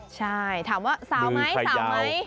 ใช่ถามว่าสาวไหมสาวไหม